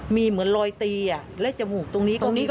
มีเหมือนรอยตีและจมูกตรงนี้ตรงนี้